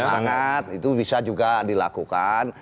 semangat itu bisa juga dilakukan